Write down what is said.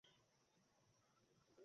বিহারী কহিল, মা-খুড়ির কথা আজ কেন ভাই।